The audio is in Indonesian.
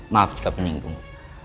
maaf jika penyinggung